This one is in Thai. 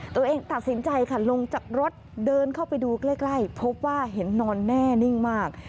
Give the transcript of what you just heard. ตัวเองตัดสินใจค่ะลงจากรถเดินเข้าไปดูใกล้พบว่าเห็นนอนแน่นิ่งมาก